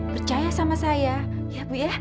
percaya sama saya ya bu ya